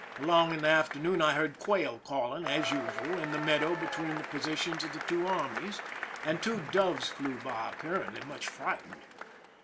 Along in the afternoon I heard quail calling, as usual, in the meadow between the posi tions of the two armies, and two doves flew by, apparently much frightened.